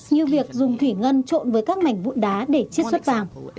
như việc dùng thủy ngân trộn với các mảnh vụn đá để chiết xuất vàng